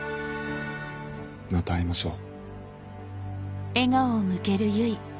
また会いましょう。